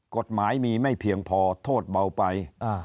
กฎหมายมีไม่เพียงพอโทษเบาไป